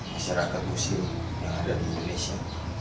masyarakat muslim yang ada di indonesia